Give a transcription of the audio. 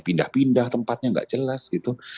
pindah pindah tempatnya nggak jelas gitu